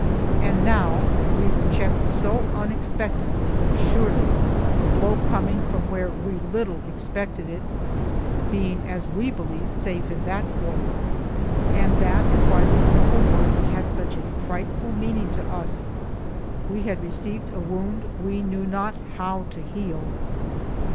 And now we were checked so unexpectedly but surely, the blow coming from where we little expected it, being, as we believed, safe in that quarter. And that is why the simple words had such a frightful meaning to us. We had received a wound we knew not how to heal.